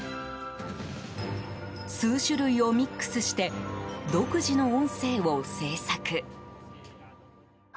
数種類をミックスして独自の音声を制作。